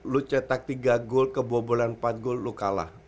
lu cetak tiga goal kebobolan empat goal lu kalah